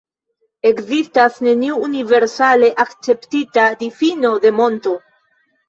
Ekzistas neniu universale akceptita difino de monto.